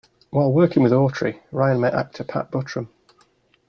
While working with Autry, Ryan met actor Pat Buttram.